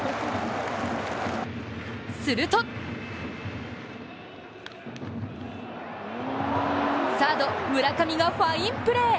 するとサード・村上がファインプレー。